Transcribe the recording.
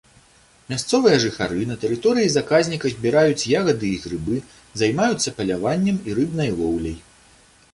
Мясцовыя жыхары на тэрыторыі заказніка збіраюць ягады і грыбы, займаюцца паляваннем і рыбнай лоўляй.